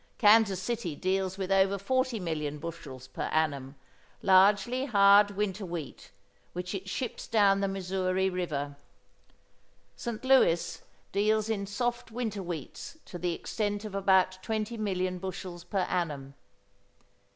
Kansas City deals with over 40 million bushels per annum, largely hard winter wheat, which it ships down the Missouri River. St Louis deals in soft winter wheats to the extent of about 20 million bushels per annum.